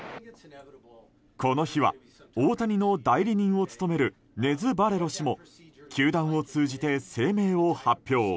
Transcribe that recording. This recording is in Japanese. この日は、大谷の代理人を務めるネズ・バレロ氏も球団を通じて声明を発表。